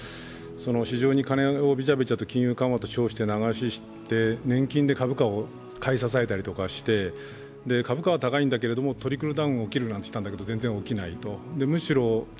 市場に金をじゃぶじゃぶと金融緩和と称して流したりして年金で株価を買い支えたりして、株価は高いんだけれどもトリクルダウンが起きるといってたけど全然起きないと。